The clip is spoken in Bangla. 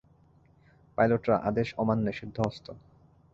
পাইলটরা আদেশ অমান্যে সিদ্ধহস্ত।